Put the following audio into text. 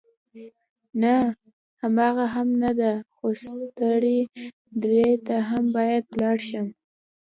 نه، هماغه هم نه ده، خو سترې درې ته هم باید ولاړ شم.